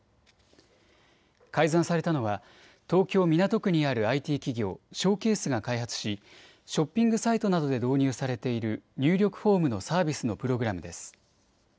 改ざんされたのは東京港区にあるＩＴ企業、ショーケースが開発しショッピングサイトなどで導入されている入力フォームのサービスのプログラムです。